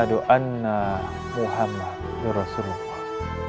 di alam membeberu ber trustworthy intikalog kekuatannya